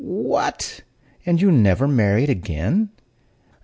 "What! and you never married again?"